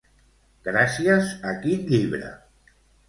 Gràcies a quin llibre?